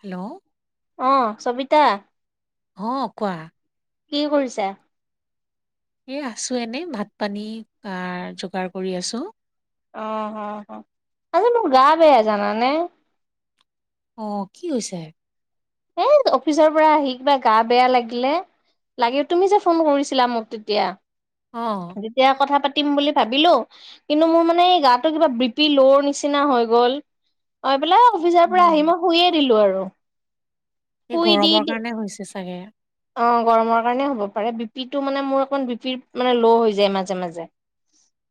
Hello. অহ সবিতা। অ কোৱা। কি কৰিছে? এই আছো এনেই ভাত পানী খোৱাৰ যোগাৰ কৰি আছো। অঁহ অঁহ অঁ আজি মোৰ গা বেয়া জানানে? অঁ কি হৈছে? সেই অফিচৰ পৰা আহি কিবা গা বেয়া লাগিলে। লাগে তুমি যে ফোন কৰিছিলা মোক তিতিয়া। অঁ। তিতিয়া কথা পাতিম বুলি ভাবিলো। কিন্তু মোৰ মানে এই গাটো কিবা বিপি ল'ৰ নিচিনা হৈ গ'ল। অঁ এ‌‌ পেলাই অফিচৰ পৰা আহি মই শুইয়ে দিলো আৰু। এ গৰমৰ কাৰণে হৈছে চাগে। অঁ গৰমৰ কাৰণে হ'ব পাৰে। বিপিটো মানে মোৰ অকণমান বিপি মানে ল' হৈ যায় মাজে মাজে।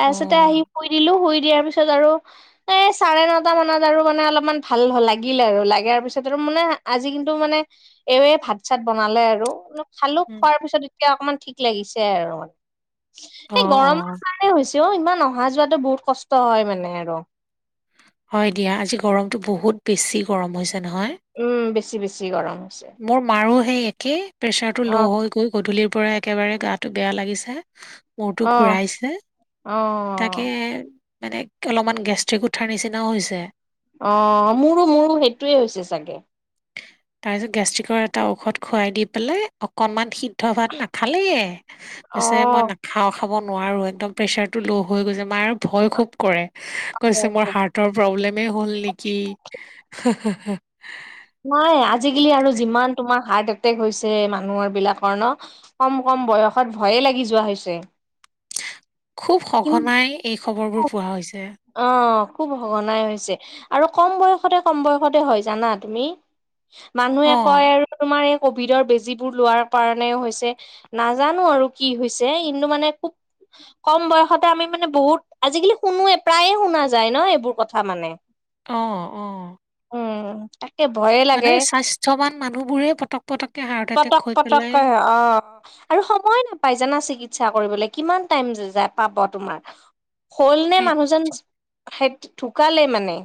তাৰছতে আহি অ' শুই দিলো, শুই দিয়াৰ পিছত আৰু এই চাৰে নটা মানত আৰু মানে অলপমান ভাল লাগিল আৰু লগাৰ পিছত আৰু মানে আজি কিন্তু মানে এওঁৱে ভাত চাত বনালে আ ৰু অলপ খালো, উম খোৱাৰ পিছত এতিয়া অকণমান ঠিক লাগিছে আৰু মানে। অ' এ গৰম অ' কাৰণে হৈছে অও ইমান অহা যোৱাতো বহুত কষ্ট হয় মানে আৰু হয় দিয়া আজি গৰমটো বহুত বেছি গৰম হৈছে নহয়। উম, বেছি বেছি গৰম হৈছে। মোৰ মাৰো সেই একেই প্ৰেচাৰ টো অ ল' হৈ গ'ল। গধূলিৰ পৰা একেবাৰে গাটো বেয়া লাগিছে। মূৰতো অ ঘূৰাইছে। অ তাকে মানে অলমান গেষ্ট্ৰিক উঠাৰ নিচিনাও হৈছে। অঁ মোৰো মোৰো সেইটোৱে হৈছে চাগে। তাৰছত গেষ্ট্ৰিকৰ এটা ঔষধ খুৱাই দি পেলাই, অকণমান সিদ্ধ ভাত নাখালে কৈছে মই অ নাখাওঁ খাব নোৱাৰো, একদম প্ৰেচাৰটো ল' হৈ গৈছে। মাৰ ভয় খুব কৰে। কৈছে মোৰ হাৰ্টৰ প্ৰব্লেমে হ'ল নেকি? হা হা হা নাই আজিকালি আৰু যিমান তোমাৰ হাৰ্ট এটেক হৈছে, মানুহৰ বিলাকৰ ন'? কম কম বয়সত ভয়ে লাগি যোৱা হৈছে। খুব সঘনাই এই খবৰ বোৰ পোৱা হৈছে। অঁ খুব সঘনাই হৈছে আৰু কম বয়সতে কম বয়সতে হয়, জানা তুমি? মানুহে অ', কয় আৰু তোমাৰ এই কভিডৰ বেজী বোৰ লোৱাৰ কাৰণেই হৈছে। নাজানো আৰু কি হৈছে, কিন্তু মানে খুব কম বয়সতে আমি মানে বহুত আজিকালি শুনোৱে প্ৰায়ে শুনা যায় ন', এইবোৰ কথা মানে। অঁ অঁ উম। তাকে ভয়ে মানে লাগে স্বাস্থ্যৱান মানুহবোৰহে পটক পটককে হাৰ্ট পটক এটেক হৈ পেলাই পটককৈ অ' আৰু সময় নাপাই জানা চিকিৎসা কৰিবলে, কিমান টাইম যে যায় পাব তোমাৰ? হ'লনে সেই মানুহজন সেত ঢুকালেই মানে।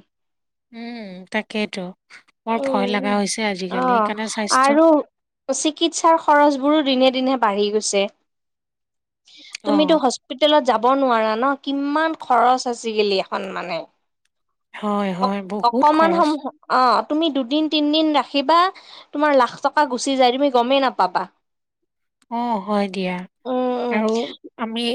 উম তাকেইটো, অ বৰ ভয় লাগা হৈছে আজিকালি সেইকাৰণে স্বাস্থ্য আৰু চিকিৎসাৰ খৰচ বোৰো দিনে দিনে বাঢ়ি গৈছে তুমিতো অ', হস্ স্পিটেলত যাব নোৱাৰা ন' কিমান খৰচ আজিকালি এখন মানে। হয়, অক হয় বহুত অকণমান খৰচ। সম অঁ, তুমি দুদিন তিনদিন ৰাখিবা তোমাৰ লাখ টকা গুচি যায়, তুমি গ'মেই নাপাবা। অ হয় দিয়া উম উম আৰু আমি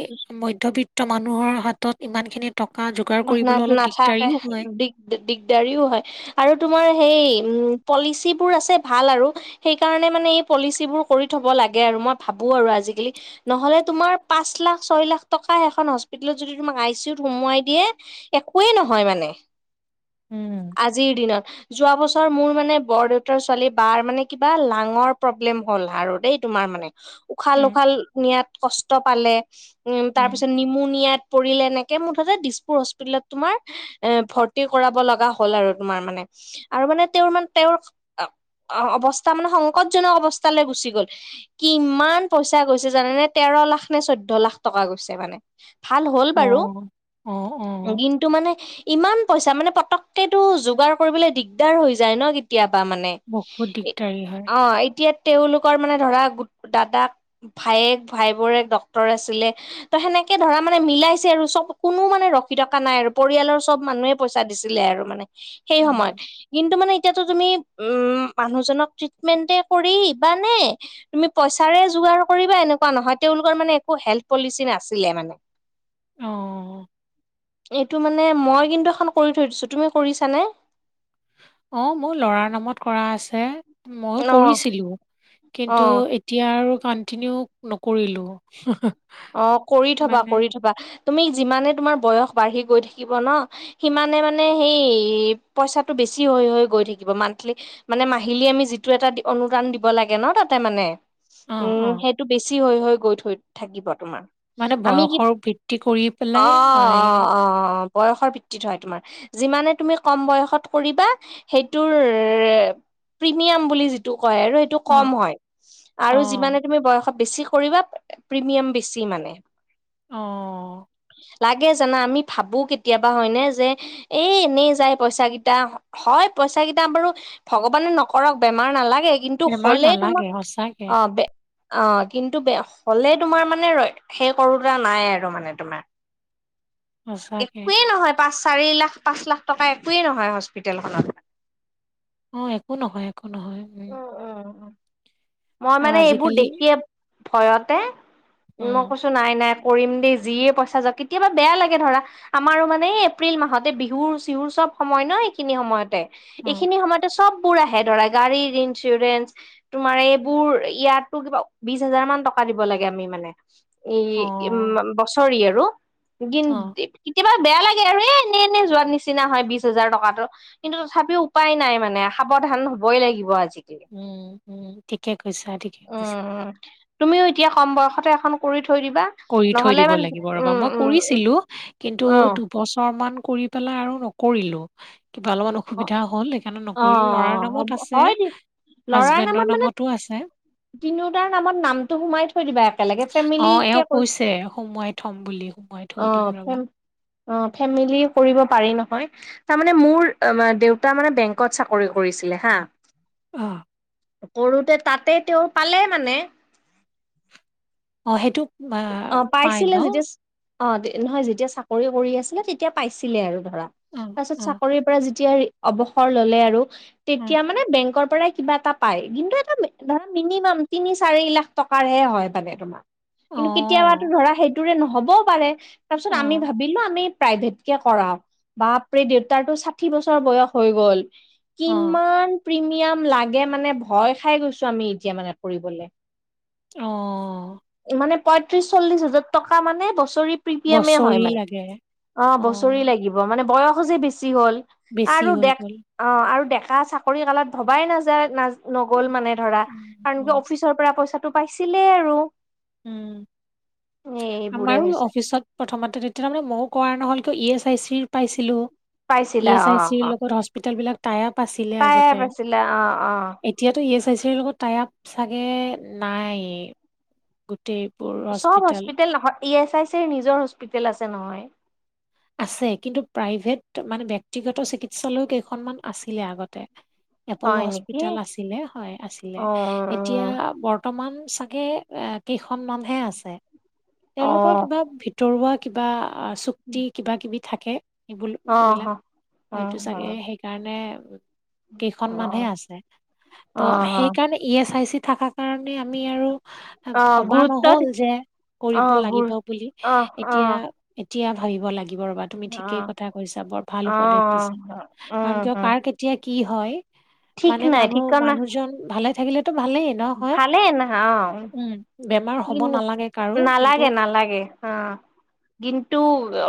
মধ্যবিত্ত মানুহৰ হাতত ইমান খিনি টকা যোগাৰ না কৰিবলৈ অলপ নাথাকে দিগদাৰিও হয়। দিগ দিগদাৰিও হয় আৰু তোমাৰ সেই উ পলিচিবোৰ আছে ভাল আৰু সেইকাৰণে মানে এই পলিচিবোৰ কৰি থব লাগে আৰু মই ভাবো আৰু আজিকালি। নহ'লে তোমাৰ পাঁচ লাখ ছয় লাখ টকা এখন হস্পিতেলত যদি তোমাক আই চি ইউ সোমাই দিয়ে একোৱেই নহয় মানে উম। আজিৰ দিনত যোৱা বছৰ মোৰ মানে বৰ দেউতাৰ ছোৱালী বাই মানে কিবা লাঙৰ প্ৰব্লেম হ'ল আৰু দেই তোমাৰ মানে উশাহ উম, লোখাল নিয়াত কষ্ট পালে উম তাৰ পিছত নিমু নিয়াত পৰিলে এনেকে মুঠতে বিছ [inaudible] তোমাৰ এ ভৰ্তি কৰাব লগা হ'ল আৰু তোমাৰ মানে। আৰু মানে তেওঁৰ মানে তেওঁৰ অৱস্থা মানে সংকটজনক অৱস্থালৈ গুচি গ'ল। কিমান পইচা গৈছে জানে নে তেৰ লাখ নে চৈধ্য লাখ টকা গৈছে মানে। ভাল হ'ল বাৰু। অহ অ। এদিন টো মানে ইমান পইচা মানে পতকেতটো যোগাৰ কৰিবলৈ দিগদাৰ হৈ যায় ন কেতিয়াবা মানে। বহুত দিগদাৰি হয়। অ এতিয়া তেওঁলোকৰ মানে ধৰা দাদাক ভায়েক, ভাইবোৰ এক ডক্তৰ আছিলে। ত সেনেকে ধৰা মানে মিলাইছে আৰু চব কোনো মানে ৰ থকা নাই আৰু পৰিয়ালৰ চব মানুহে পইচা দিছিলে আৰু মানে সেই উম, সময়ত কিন্তু মানে এতিয়াতো তুমি উম মানুহজনক ট্ৰিটমেন্টে কৰি বা নে তুমি পইচাৰে যোগাৰ কৰিবা এনেকুৱা নহয়, তেওঁলোকৰ মানে একো হেল্থ পলিচি নাছিলে মানে। অঁ। এইটো মানে মই কিন্তু এখন কৰি থৈ দিছোঁ, তুমি কৰিছানে? অ মোৰ লৰাৰ নামত কৰা আছে, মইো অ', কৰিছিলো কিন্তু অ', এতিয়া আৰু কণ্টিনিউ নকৰিলোঁ। [inaudible] অ কৰি থবা, মানে কৰি থবা, তুমি যিমানে তোমাৰ বয়স বাঢ়ি গৈ থাকিব ন সিমানে মানে সেই পইচাটো বেছি হৈ হৈ গৈ থাকিব মাণ্ঠিলী। মানে মাহিলী আমি যিটো এটা অনুদান দিব লাগে ন তাতে মানে। অ', উম অ', সেইটো বেছি হৈ হৈ গৈ থৈ থাকিব তোমাৰ। মানে আমি কিত বয়সৰ ভিত্তি কৰি অ পেলাই অ অ বয়সৰ ভিত্তিত হয় তোমাৰ। যিমানে তুমি কম বয়সত কৰিবা সেইটোৰে প্ৰিমিয়াম বুলি যিটো কয় আৰু অ', কম হয় আৰু অ', যিমানে তুমি বয়সত বেছি কৰিবা প্ৰিমিয়াম বেছি মানে। অ। লাগে জানা আমি ভাবোঁ কেতিয়াবা হয়নে যে এই এনেই যায় পইচাকেইটা। হয় পইচা কেইটা বাৰু ভগৱানে নকৰক বেমাৰ নালাগে কিন্তু বেমাৰ হলে নালাগে তোমাক সঁচাকে। অ বে অ কিন্তু বে হলে তোমাৰ মানে ৰ সেই কৰোতা নাই আৰু মানে তোমাৰ। সঁচাকে একোৱে নহয় পাঁচ চাৰি লাখ, পাঁচ লাখ টকা একোৱেই নহয় হস্পিতেলখনত অ একো নহয়, একো নহয় উম। মই আৰু মানে এইবোৰ আজিকালি দেখিয়ে ভয়তে উম মই কৈছো নাই-নাই কৰিম দেই যিয়ে পইচা যাওক কেতিয়াবা বেয়া লাগে ধৰা। আমাৰ মানে এপ্ৰিল মাহতে বিহুৰ চিহুৰ চব সময় ন এইখিনি সময়তে। অ এইখিনি সময়তে চববোৰ আহে ধৰা, গাড়ীৰ ইঞ্চুৰেঞ্চ। তোমাৰ এইবোৰ, ইয়াতো কিবা বিশ হাজাৰ মান টকা দিব লাগে আমি মানে। ই, অ বছৰি আৰু দিন অ কেতিয়াবা বেয়া লাগে আৰু এ এনে এনে যোৱাৰ নিচিনা হয় বিশ হাজাৰ টকাটো। কিন্তু তথাপিও উপায় নাই মানে, সাৱধান হ'বই লাগিব আ উম' উম' ঠিকে কৈছা, ঠিকে কৈছা। উম উম তুমিও এতিয়া কম বয়সতে এখন কৰি থৈ দিবা। কৰি থৈ নহ'লে দিব ইমান লাগিব ৰ'বা, উম মই উম কৰিছিলো কিন্তু উম বছৰ মান কৰি পেলাই আৰু নকৰিলো, কিবা অলপমান অ অসুবিধা হ'ল সেইকাৰণে অ নকৰিলো, লৰাৰ হ'ব নামত আছে হয় দে ল'ৰাৰ নামত হাজবেণ্ডৰ মানে নামতো আছে। তিনিওটাৰ নামত নামটো সোমাই থৈ দিবা একেলগে অ এওঁ ফেমিলিকে। কৰি কৈছে সোমোৱাই থম বুলি, সোমোৱাই অ থৈ দিম ফেম ৰবা। অ ফেমিলি কৰিব পাৰি নহয়, তাৰ মানে মোৰ দেউতা মানে বেংকত চাকৰি কৰিছিলে হা। অ। কৰোতে তাতে তেওঁ পালে মানে। অঁ সেইটো আ অ পাই ন পাইছিলে যেতিয়া অ' নহয় যেতিয়া চাকৰি কৰি আছিলে, তেতিয়া পাইছিলে আৰু ধৰা, অ তাৰপিছত অ চাকৰিৰ পৰা যে এতিয়াই অৱসৰ ল'লে আৰু অ তেতিয়া মানে বেংকৰ পৰাই কিবা এটা পায়, কিন্তু এটা মিনিমাম তিনি চাৰি লাখ টকাৰ হে হয় মানে তোমাৰ। কিন্তু কেতিয়াবাতো ধৰা সেইটোৰে নহ'বও পাৰে, তাৰ অ অ পিছত আমি ভাবিলো আমি প্ৰাইভেট কে কৰাও, বাপৰে দেউতাৰটো ষাঠি বছৰ বয়স হৈ গ'ল। অ কিমান প্ৰিমিয়াম লাগে মানে, ভয় খাই গৈছো আমি এতিয়া মানে কৰিবলে। অ' মানে পঁয়ত্ৰিশ চল্লিশ হাজাৰ টকা মানে বছৰি প্ৰিমিয়ামে হয় বছৰি মানে, লাগে অ বছৰি লাগিব। মানে বয়সো যে বেছি হ'ল, বেছি আৰু হৈ দেখ গ'ল অ আৰু ডেকা চাকৰি কালত ভবাই নাযায় ন উম নগ'ল মানে ধৰা, কাৰণ উম কি অফিচ পৰা পইচাটো পাইছিলে আৰু। উম। এ এইবোৰে আমাৰো হৈছে অফিচত প্ৰথমতে তেতিয়া তাৰ মানে মইয়ো কৰা নহ'ল কিয়, ই এছ আই চি পাইছিলো। পাইছিলা ই এছ অ আই চিৰ ৰ অ লগত হস্পিতেল বিলাক টাইআপ আছিলে পায়ে আগতে। পাইছিলা অ অ এতিয়াতো ই এছ আই চিৰ ৰ লগত টাইআপ চাগে নাই। গোটেই চব হস্পিতেল নহয়, ই এছ আই চিৰ নিজৰ হস্পিতেল আছে নহয়। আছে, কিন্তু প্ৰাইভেট মানে ব্যক্তিগত চিকিৎসালয় কেইখনমান আছিলে আগতে। এপ'লো হয় নেকি হস্পিতাল আছিলে, হয় আছিলে। অ এতিয়া বৰ বৰ্তমান চাগে কেইখনমানহে আছে, অ তেওঁলোকৰ কিবা ভি তৰুৱা কিবা চুক্তি কিবা কিবি থাকে। অ টেবুলবিলাক অ অ হয়তো অ চাগে সে কাৰণে কেইখন মানহে অ আছে, ত' অ সেইকাৰণে ই এছ আই চি থাকা কাৰণে, আমি আৰু অ ভবা গুৰুত্ব নহ'ল যে, অ', কৰিব গুৰ লাগিব বুলি অ', এতিয়া অ', এতিয়া ভাবিব লাগিব ৰবা। তুমি ঠিকেই অ', অ', কথা কৈছা, বৰ ভাল উপদেশ দিছা কাৰণ উম, কিয় উম, কাৰ কেতি তিয়া কি হয়, ঠিক মানে নাই মানুহ ঠিকনা মানুহজন ভালে থাকিলেতো ভালেই। ন হয় ভালে নহয় অ', উম বেমাৰ হ'ব কিনো, নালাগে কাৰো কিন্তু নালাগে, নালাগে। অ' কিন্তু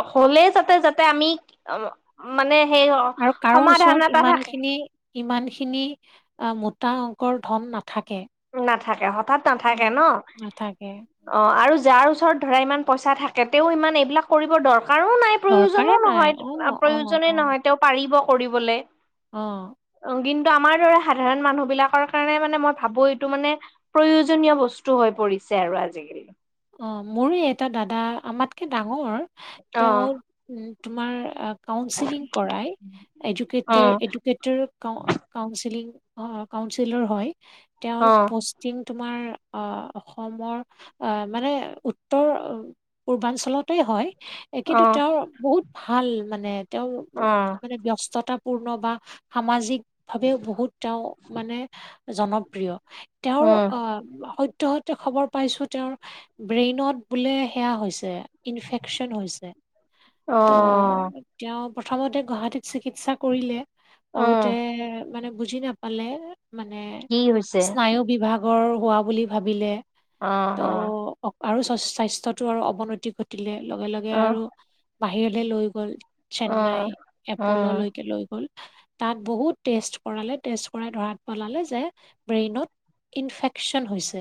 অ' হ'লে যাতে, যাতে আমি মানে সেই আৰু সমাধান এটা থাকে। ইমানখিনি অ' মোটা অংকৰ ধন নাথাকে। নাথাকে। হঠাৎ নাথাকে উম ন'। নাথাকে অ' আৰু যাৰ ওচৰত ধৰা ইমান পইচা থাকে, তেওঁ ইমান এইবিলাক কৰিবৰ দৰকাৰো নাই। প্ৰয়োজনো দৰকাৰে নাই নহয়, অ আ অ প্ৰয়োজনেই অ নহয় তেওঁ পাৰিব কৰিবলে। অ'। কিন্তু আমাৰ দৰে সাধাৰণ মানুহ বিলাকৰ কাৰণে মানে কি মই ভাবো এই টো মানে প্ৰয়োজনীয় বস্তু হৈ পৰিছে আৰু আজিকালি। অ' মোৰ এটা দাদা আমাতকৈ ডাঙৰ, অ তেওঁ তোমাৰ আ কাউেলিং কৰাই, অ এডাকেটৰ এডো কেটাৰ কাউণ্ট-কাউণ্টচিলিং, অ' কাউণ্টচিলিয়ৰ হয়, তেওঁৰ অ পোষ্ট [inaudible] তোমাৰ অ-অসমৰ আ মানে উত্তৰ পূৰ্বাঞ্চলতেই হয়, অ' কিন্তু তেওঁৰ বহুত ভাল মানে, তেওঁ। অ'। মানে ব্যস্ততাপূৰ্ণ বা সামাজিক ভাৱেও বহুত তেওঁ মানে জনপ্ৰিয়। অ তেওঁৰ উম আ সত্যে সত্যে, সত্যে খবৰ পাইছোঁ, তেওঁৰ ব্ৰেইনত বোলে সেয়া হৈছে, ইনফেকচন হৈছে। অ ত' তেওঁ প্ৰথমতে গুৱাহাটীত চিকিৎসা কৰিলে। অ কৰোতে মানে বুজি নাপালে মানে, কি হৈছে স্নায়ু বিভাগৰ হোৱা বুলি ভাবিলে। অ', অ'। অ' আৰু স্বাস্থ্যটো আৰু অৱনতি ঘটিলে লগে লগে অ আৰু বাহিৰলৈ লৈ গ'ল। অ চেন্নাই অ এপললৈকে লৈ গ'ল। তাত বহুত টেষ্ট কৰালে, টেষ্ট কৰাই ধৰাত পেলালে যে ব্ৰেইনত ইনফেকচন হৈছে।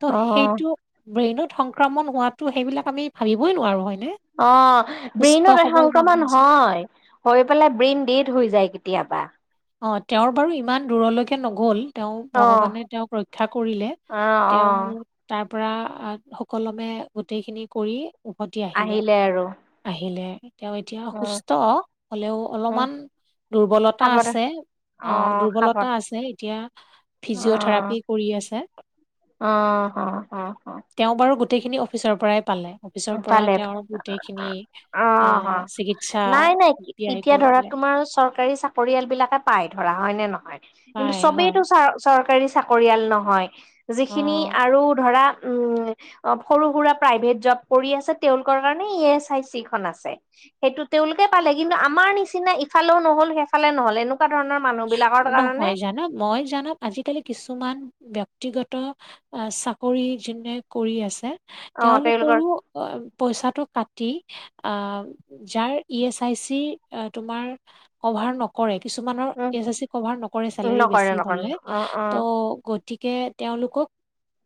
ত' অ সেইটো, ব্ৰেইনত সংক্ৰমণ হোৱাটো সেইবিলাক আমি ভাবিবই নোৱাৰো হয়নে। অ' সুস্থ ব্ৰেইনত এই সবল মানুহ সংক্ৰমণ এজন হয়। হৈ পেলাই ব্ৰেইন ডেট হৈ যায় কেতিয়াবা। অ' তেওঁৰ বাৰু ইমান দূৰলৈকে নগ'ল। তেওঁ অ ভগৱানে তেওঁক ৰক্ষা কৰিলে, অ অ তেওঁ তাৰ পৰা আ সুকলমে গোটেইখিনি কৰি উভতি আহিলে। আহিলে, তেওঁ এতিয়া উম সুস্থ হ'লেও উম অলপমান দুৰ্বলতা সাৱধান আছ ছে, অ' দুৰ্বলতা আছে এতিয়া অ ফিজিঅ থেৰাপি কৰি আছে। অ', অ', অ', অ'। তেওঁ বাৰু গোটেইখিনি অ অফিচৰ পৰাই পালে, অফিচৰ পৰা পালে তেওঁৰ গোটেইখিনি অ', হয় আহ হয়। চিকিৎসা নাই, নাই ব্যয় এতিয়া ধৰা কৰিলে তোমাৰ চৰকাৰী চাক পৰিয়াল বিলাকে পাই ধৰা হয় নে নহয়, কিন্তু হয় হয় চবেইটো চাৰ চৰকাৰী চাকৰিয়াল নহয়, যিখিনি অ' আৰু ধৰা উম অ সৰু সুৰা প্ৰাইভেট জব কৰি আছে, তেওঁলোকৰ কাৰণে ই এছ আই চি খন আছে। সেইটো তেওঁলোকে পালে, কিন্তু আমাৰ নিচিনা ইফালেও নহ'ল সেইফালে নহল এনেকুৱা ধৰণৰ মানুহ বিলাকৰ কাৰণে নহয় জানা মই জানা আজিকালি কিছুমান ব্যক্তিগত অ চাকৰি যোনে কৰি আছে অ তেওঁলোকৰ তেওঁলোকৰো পইছাটো কাটি আ যাৰ ই এচ আই চি তোমাৰ কভাৰ নকৰে, কিছুমানৰ এ চেচি কভাৰ নকৰে উম চেলৰী নকৰে বেছি নকৰে হলে, অ অ ত' গতিকে তেওঁলোকক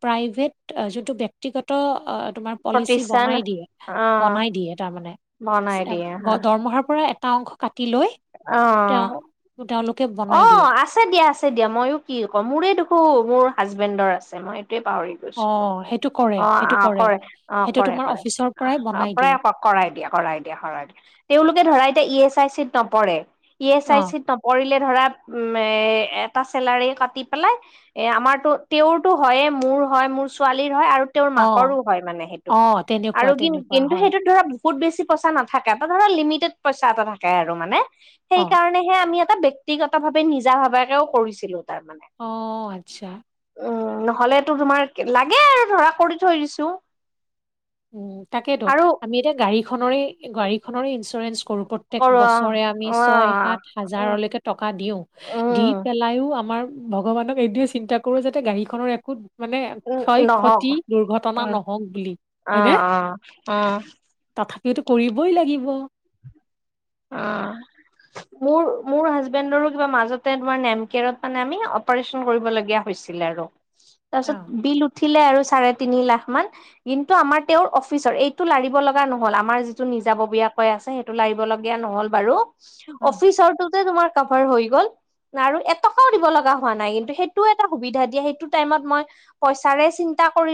প্ৰাইভেট যোনটো ব্যক্তিগত অঁ তোমাৰ পলিচি প্ৰতিষ্ঠান বনাই দিয়ে, অ বনাই দিয়ে তাৰমানে বনাই দিয়ে হা দৰমহাৰ পৰা কটা অংশ কাটি লৈ, অ তেওঁ তেওঁলোকে অ বনাই দিয়ে। আছে দিয়া আছে দিয়া, ময়ো কি কওঁ মোৰে দেখোঁ মোৰ হাজবেণ্ডৰ আছে মই সেইটোৱে পাহৰি অ গৈছিলোঁ, সেইটো কৰে অঁ সেইটো আহ কৰে অ সেইটো কৰে তোমাৰ কৰে অফিচৰ পৰাই বনাই দিয়ে পৰাই কওক। কৰাই দিয়ে কৰাই দিয়ে কৰাই দিয়ে, তেওঁলোকে ধৰা এতিয়া ই এছ আই চিত নপৰে, ই এছ অ আই চিত কৰিলে ধৰা উম এ এটা চেলাৰী কাটি পেলাই এ আমাৰতো তেওঁৰতো হয়য়ে, মোৰ হয় মোৰ ছোৱালীৰ হয় আৰু তেওঁৰ অ মাকৰো হয় মানে সেইটোত, অ আৰু তেনেকুৱা কি তেনেকুৱা কিন্তু হয় সেইটোত ধৰা বহুত বেছি পইচা নাথাকে, এটা ধৰা লিমিটেড পইচা এটা থাকে আৰু মানে। অ সেইকাৰণে হেয়া আমি এটা ব্যক্তিগত ভাৱে নিজা ভাৱাকেও কৰিছিলো তাৰ মানে। অঁ, আচ্ছা। উম, নহলেটো তোমাৰ লাগে আৰু ধৰা কৰি থৈ দিছো। উম তাকেইতো, আৰু আমি এতিয়া গাড়ীখনৰেই গাড়ীখনৰে ইঞ্চুৰেঞ্চ কৰো। প্ৰত্যেক কৰো বছৰে আমি অ অ ছয় সাত উম হাজাৰলৈকে টকা দিও, দি উম পেলাইও আমাৰ ভগৱানক এইটোয়ে চিন্তা কৰো যাতে গাড়ীখনৰ একো মানে উম, ক্ষয় ক্ষতি দুৰ্ঘটনা নহওক বুলি। হয়নে অঁ অঁ, উম তথাপিওতো কৰিবই লাগিব। অঁ। মোৰ মোৰ হাজবেণ্ডৰো কিবা মাজতে তোমাৰ নেমকেয়াৰত মানে আমি অপাৰচন কৰিবলগীয়া হৈছিলে আৰু। তাৰপিছত বিল উঠিলে আৰু চাৰে তিনি লাখ মান। কিন্তু আমাৰ তেওৰ অফিচৰ এইটো লাৰিব লগা নহ'ল আমাৰ যিটো নিজাববীয়াকৈ আছে সেইটো লাৰিব লগা গীয়া নহ'ল বাৰু, অ অফিচৰ টোতে তোমাৰ কভাৰ হৈ গল। আৰু এটকাও দিব লগা হোৱা নাই, কিন্তু সেইটোও এটা সুবিধা দিয়া সেইটো টাইমত মই পইচাৰে চিন্তা কৰি